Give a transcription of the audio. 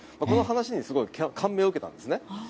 この話にすごい感銘を受けたんです。